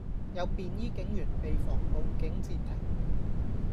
有便衣警員被防暴警截停